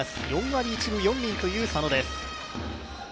４割１分４厘という佐野です。